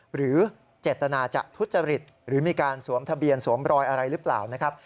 หรือเจตนาจะทุจริตหรือมีการสวมทะเบียนสวมรอยอะไรหรือเปล่านะครับ